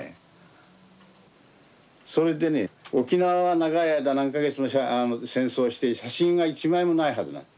それでね沖縄は長い間何か月も戦争して写真が一枚もないはずなんだ。